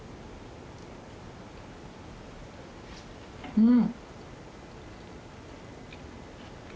うん！